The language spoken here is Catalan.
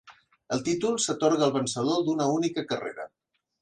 El títol s'atorga al vencedor d'una única carrera.